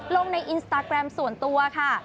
ลงในอินสตาแกรมส่วนตัวค่ะ